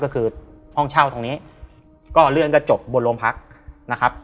ก็คือห้องเช่าตรงนี้ก็เรื่องก็จบบนโรงพักนะครับ